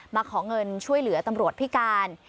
มาขอเงินช่วยเหลือตำรวจพิการ